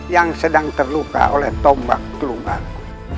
yang sedang terluka oleh tombak teluk